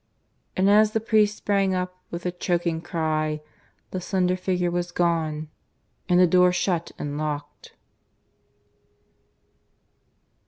And as the priest sprang up with a choking cry, the slender figure was gone, and the door shut and locked.